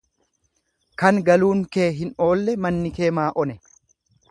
Kan galuun kee hin oolle manni kee maa one.